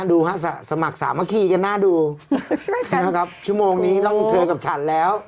ดูฮะสมัครสามัคคีกันน่าดูนะครับชั่วโมงนี้ต้องเธอกับฉันแล้ว